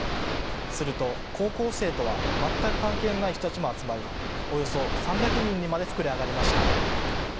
すると、高校生とは全く関係のない人たちも集まりおよそ３００人にまで膨れ上がりました。